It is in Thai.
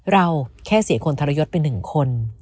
เราแค่เสียคนทรยศเป็นหนึ่งคน